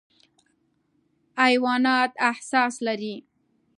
حیوانات احساس لري.